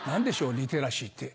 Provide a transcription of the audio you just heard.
リテラシーって円